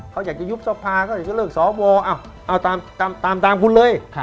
เขาอยากจะยุบสภาเขาอยากจะเลิกสวเอาตามคุณเลย